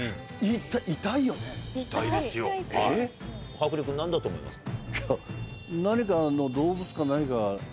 白竜君何だと思いますか？